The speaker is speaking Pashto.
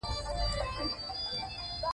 د ماشوم مور په چیغو چیغو قاضي ته ولاړه.